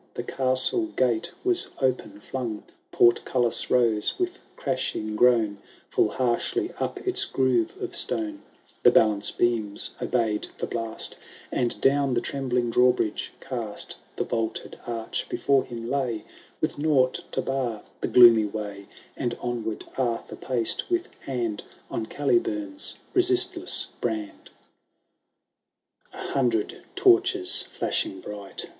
The castle gate was open flung, Portcullis rose with crashing groan Full harshly up its groore of stone ; The balance beams obeyed ^e blast, And down the trembling drawbridge cast ; The vaulted arch before him lay, With nought to bar the gloomy way, And onward Arthur paced, with hand On Calibum^s^ resistless brand. XVI. « A hundred torches, flashing bright.